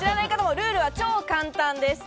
ルールは超簡単です。